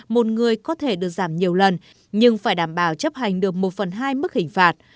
một người có thể được giảm nhiều lần nhưng phải đảm bảo chấp hành được một phần hai mức hình phạt